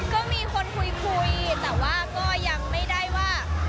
ก็มีคนคุยแต่ว่าก็ยังไม่ได้ว่า